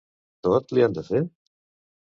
Tot, li han de fer?